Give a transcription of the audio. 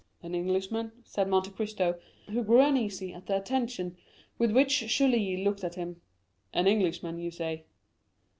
"An Englishman," said Monte Cristo, who grew uneasy at the attention with which Julie looked at him. "An Englishman you say?"